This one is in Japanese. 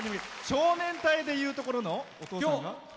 少年隊でいうところのお父さんが？